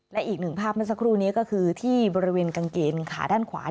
และอีกหนึ่งภาพเมื่อสักครู่นี้ก็คือที่บริเวณกางเกงขาด้านขวา